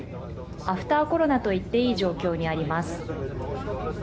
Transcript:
アフターコロナと言っていい状況にあります。